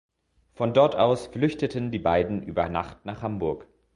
Von dort aus flüchteten die beiden über Nacht nach Hamburg.